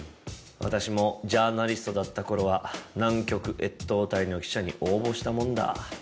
私もジャーナリストだった頃は南極越冬隊の記者に応募したもんだ。